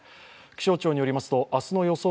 気象庁によりますと、明日の予想